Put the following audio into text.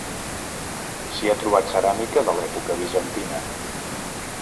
S'hi ha trobat ceràmica de l'època bizantina.